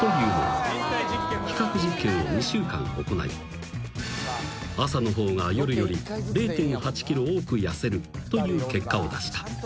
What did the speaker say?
［比較実験を２週間行い朝の方が夜より０．８ｋｇ多く痩せるという結果を出した］